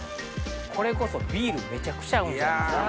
これこそビールめちゃくちゃ合うんちゃいますか？